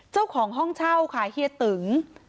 เจ้าของห้องเช่าค่ะเฮียตึง